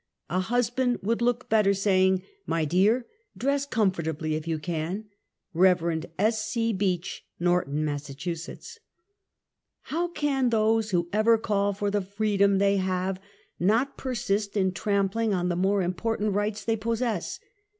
102 UNMASKED. A liiisbancl would look better saying, "my dear, dress comfortably if you can. Rev. S. C. Beach, Norton, Mass. How can those who ever call for the freedom they have not persist in trampling on the more important rights they possess?